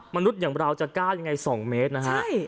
มนุษย์อย่างเราจะก้าวอย่างไร๒เมตรนะครับ